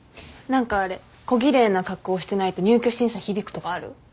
何かあれ小奇麗な格好してないと入居審査響くとかある？